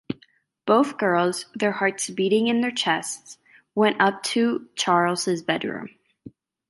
Both girls, their hearts beating in their chests, went up to Charles’s bedroom.